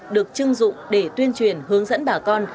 được chưng dụng để tuyên truyền hướng dẫn bà con